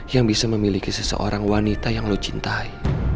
yang bisa memiliki seseorang wanita yang lo cintai